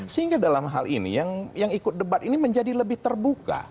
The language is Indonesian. sehingga dalam hal ini yang ikut debat ini menjadi lebih terbuka